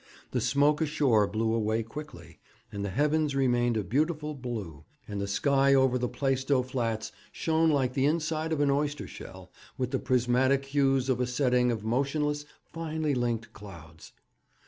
The smoke ashore blew away quickly, and the heavens remained a beautiful blue, and the sky over the Plaistow Flats shone like the inside of an oyster shell with the prismatic hues of a setting of motionless, finely linked clouds.